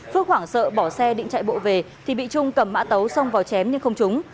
phước hoảng sợ bỏ xe định chạy bộ về thì bị trung cầm mã tấu xông vào chém nhưng không trúng